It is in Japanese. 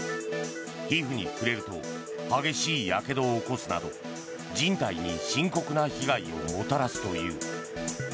皮膚に触れると激しいやけどを起こすなど人体に深刻な被害をもたらすという。